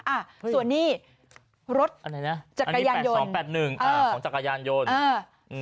อ่ะส่วนนี้รถจักรยานยนต์อันนี้๘๒๘๑ของจักรยานยนต์